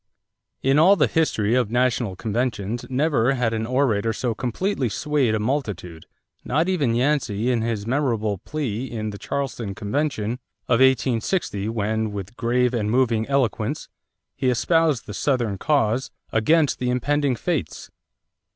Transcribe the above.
= In all the history of national conventions never had an orator so completely swayed a multitude; not even Yancey in his memorable plea in the Charleston convention of 1860 when, with grave and moving eloquence, he espoused the Southern cause against the impending fates.